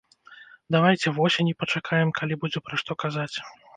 Давайце восені пачакаем, калі будзе пра што казаць.